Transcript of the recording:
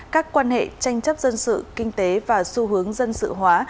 các quan hệ tranh chấp dân sự kinh tế và xu hướng dân sự hóa